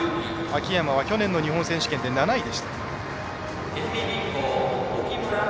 秋山は、去年の日本選手権７位。